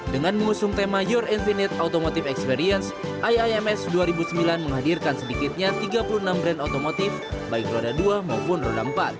dengan mengusung tema your infinite automotive experience iims dua ribu sembilan menghadirkan sedikitnya tiga puluh enam brand otomotif baik roda dua maupun roda empat